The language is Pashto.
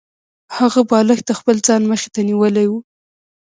هغه بالښت د خپل ځان مخې ته نیولی و